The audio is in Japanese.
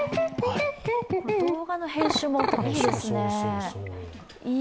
動画の編集もすごいですね。